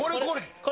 これ？